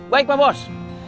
baik pak bos